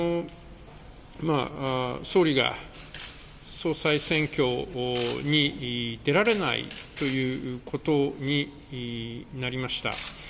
総理が総裁選挙に出られないということになりました。